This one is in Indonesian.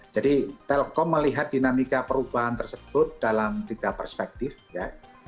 jadi telkom melihat dinamika perubahan tersebut dalam tiga perspektif ya